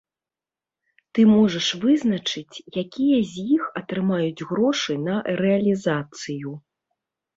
Ты можаш вызначыць, якія з іх атрымаюць грошы на рэалізацыю.